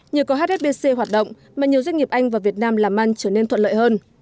nhờ có hsbc hoạt động mà nhiều doanh nghiệp anh và việt nam làm ăn trở nên thuận lợi hơn